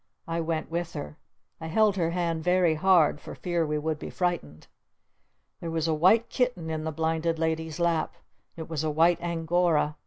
I went with her. I held her hand very hard for fear we would be frightened. There was a White Kitten in the Blinded Lady's Lap. It was a white Angora.